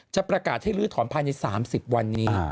จะประกาศให้ลื้อถอนภายใน๓๐วันนี้